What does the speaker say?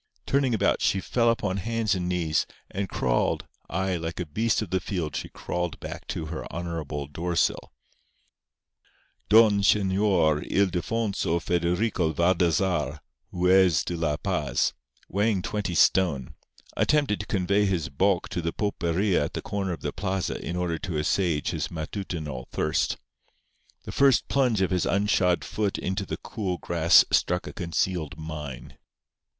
Turning about, she fell upon hands and knees, and crawled—ay, like a beast of the field she crawled back to her honourable door sill. Don Señor Ildefonso Federico Valdazar, Juez de la Paz, weighing twenty stone, attempted to convey his bulk to the pulperia at the corner of the plaza in order to assuage his matutinal thirst. The first plunge of his unshod foot into the cool grass struck a concealed mine.